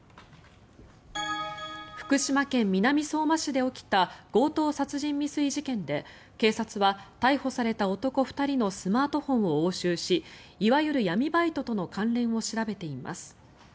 福島県南相馬市で起きた強盗殺人未遂事件で警察は逮捕された男２人のスマートフォンを押収しいわゆる闇バイトとの関連を調べています。